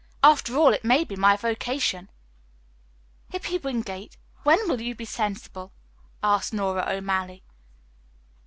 After all, it may be my vocation." "Hippy Wingate, when will you be sensible?" asked Nora O'Malley.